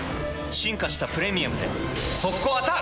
進化した「プレミアム」で速攻アタック！